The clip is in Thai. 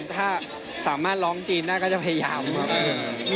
ถ้าสามารถร้องจีนได้ก็จะพยายามครับ